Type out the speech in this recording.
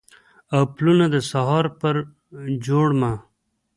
او پلونه د سهار پر جوړمه